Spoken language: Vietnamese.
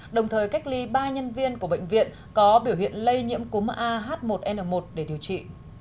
đồng thời cách ly ba nhân viên của bệnh viện có biểu hiện lây nhiễm cúm ah một n một để điều trị